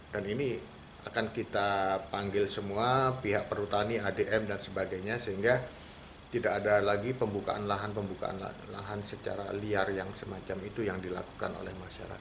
dan ini akan kita panggil semua pihak perutani adm dan sebagainya sehingga tidak ada lagi pembukaan lahan secara liar yang semacam itu yang dilakukan oleh masyarakat